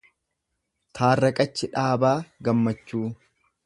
Taarreqech Dhaabaa Gammachuu